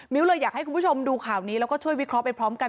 เลยอยากให้คุณผู้ชมดูข่าวนี้แล้วก็ช่วยวิเคราะห์ไปพร้อมกัน